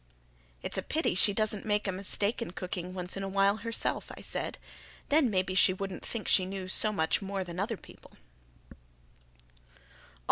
"It's a pity she doesn't make a mistake in cooking once in a while herself," I said. "Then maybe she wouldn't think she knew so much more than other people."